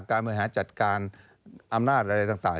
บริหารจัดการอำนาจอะไรต่าง